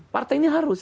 partai ini harus